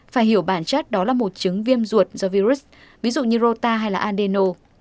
phải hiểu bản chất đó là một chứng viêm ruột do virus ví dụ như rota hay là andeno